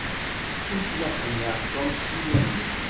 Yettwaqenneɛ Tom s yiman-is.